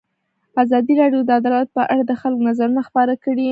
ازادي راډیو د عدالت په اړه د خلکو نظرونه خپاره کړي.